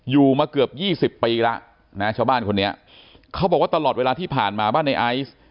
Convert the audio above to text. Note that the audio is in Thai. อยู่มาเกือบ๒๐ปีแล้วนะชาวบ้านคนนี้เขาบอกว่าตลอดเวลาที่ผ่านมาบ้านในไอซ์